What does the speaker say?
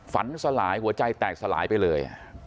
สลายหัวใจแตกสลายไปเลย